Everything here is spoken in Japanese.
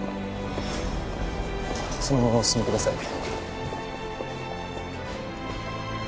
そのままお進みください。